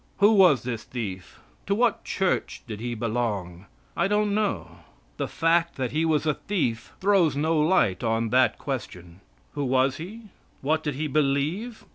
Who was this thief? To what church did he belong? I don't know. The fact that he was a thief throws no light on that question. Who was he? What did he believe?